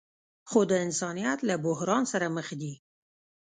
خو د انسانیت له بحران سره مخ دي.